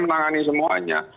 yang sehingga menangani semuanya